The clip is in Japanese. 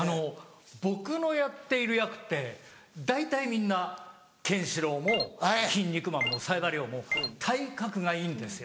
僕のやっている役って大体みんなケンシロウもキン肉マンも冴羽も体格がいいんですよ。